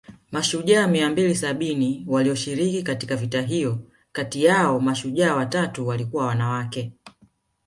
Mashujaa mia mbili sabini walioshiriki katika vita hiyo kati yao mashujaa watatu walikuwa wanawake